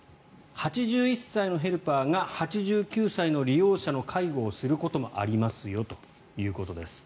８１歳のヘルパーが８９歳の利用者の介護をすることもありますよということです。